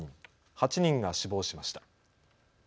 ８人が死亡しました。